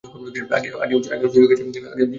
আগেও ছুরি খেয়েছি, ব্যাপার না।